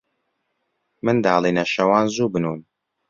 منداڵینە، شەوان زوو بنوون.